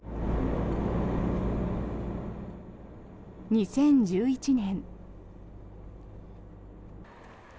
２０１１年。